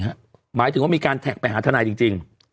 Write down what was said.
หมายถึงว่ามีการแท็กไปหาทนายจริง